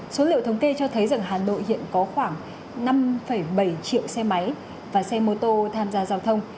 số liệu thống kê cho thấy rằng hà nội hiện có khoảng năm bảy triệu xe máy và xe mô tô tham gia giao thông